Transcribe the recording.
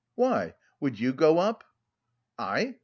"Why, would you go up?" "I...